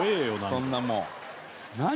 そんなもん何？